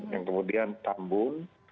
yang kemudian tambun